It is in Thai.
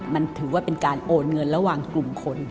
มันถือว่าเป็นการโอนเงินระหว่างกลุ่มคน